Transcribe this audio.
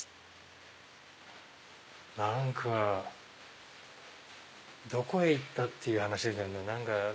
何かどこへ行った？っていう話ですよね。